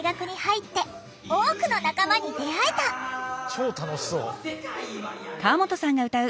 超楽しそう。